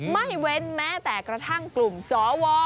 ไม่เว้นแม้แต่กระทั่งกลุ่มสว